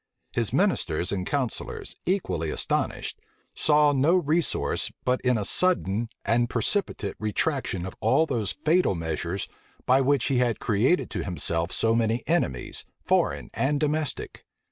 His ministers and counsellors, equally astonished, saw no resource but in a sudden and precipitate retraction of all those fatal measures by which he had created to himself so many enemies, foreign and domestic.